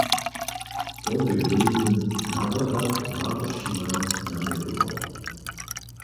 To bě wólbny nawoda Marko Šiman namjetował.